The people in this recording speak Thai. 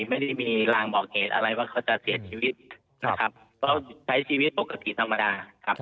ไม่ได้มีรางบอกเหตุอะไรว่าต้องเสียดชีวิตใช้ชีวิตปกติธรรมดา